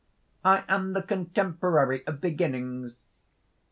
I am the contemporary of beginnings.